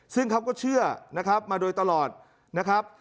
ซึ่งเขาก็เชื่อนะครับมาโดยตลอดนะครับ